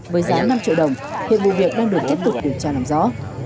với giá năm triệu đồng hiện vụ việc đang được tiếp tục điều tra làm rõ